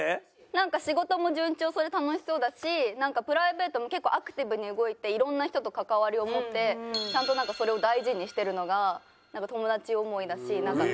なんか仕事も順調そうで楽しそうだしプライベートも結構アクティブに動いていろんな人と関わりを持ってちゃんとなんかそれを大事にしてるのが友達思いだし人生が豊かそうだなって。